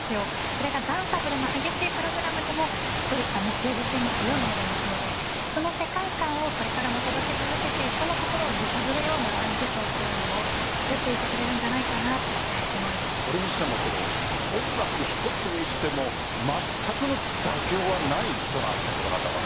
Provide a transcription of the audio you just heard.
それがダンサブルな激しいプログラムでもしっとりしたメッセージ性の強いものでもそうでその世界観をこれからも届け続けて人の心を揺さぶるようなアイスショーを作っていってくれるんじゃないかなとそれにしても音楽一つにしてもまったくの妥協がない人なんですね、この方は。